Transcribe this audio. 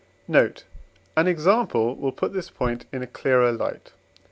Note. An example will put this point in a clearer light.